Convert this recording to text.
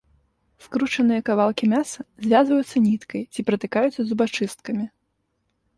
Скручаныя кавалкі мяса звязваюцца ніткай, ці пратыкаюцца зубачысткамі.